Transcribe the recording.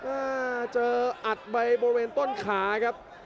อ่าเจออัดไปบริเวณต้นขาครับ